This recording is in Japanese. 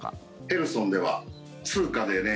ヘルソンでは通貨でね